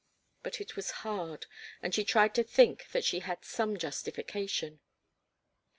But it was hard, and she tried to think that she had some justification.